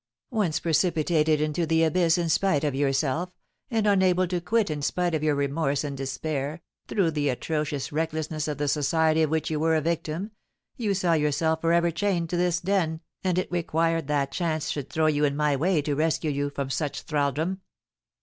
"Once precipitated into the abyss in spite of yourself, and unable to quit it in spite of your remorse and despair, through the atrocious recklessness of the society of which you were a victim, you saw yourself for ever chained to this den, and it required that chance should throw you in my way to rescue you from such thraldom."